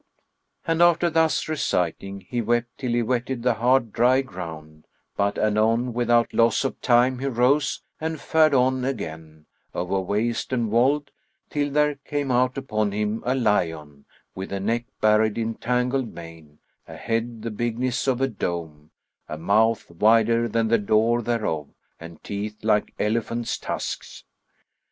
And after thus reciting he wept till he wetted the hard dry ground; but anon without loss of time he rose and fared on again over waste and wold, till there came out upon him a lion, with a neck buried in tangled mane, a head the bigness of a dome, a mouth wider than the door thereof and teeth like elephants' tusks.